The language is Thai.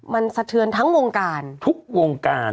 มันสะเทือนทั้งวงการทุกวงการ